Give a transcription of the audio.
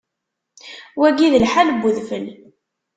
Wagi d lḥal n udfel.